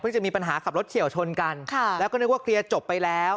จะมีปัญหาขับรถเฉียวชนกันค่ะแล้วก็นึกว่าเคลียร์จบไปแล้ว